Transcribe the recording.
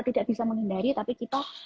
tidak bisa menghindari tapi kita